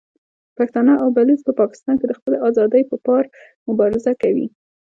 پښتانه او بلوڅ په پاکستان کې د خپلې ازادۍ په پار مبارزه کوي.